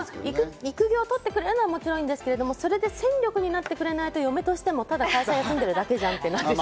育業を取ってくれるのはいいんですけど、戦力になってくれないと嫁としてもただ、会社休んでるだけじゃんってなる。